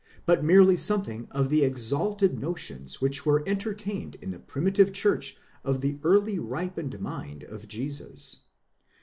but merely something of the exalted notions which were entertained in the primitive church of the early ripened mind of Jesus